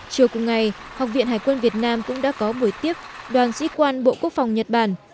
chiều cùng ngày học viện hải quân việt nam cũng đã có buổi tiếp đoàn sĩ quan bộ quốc phòng nhật bản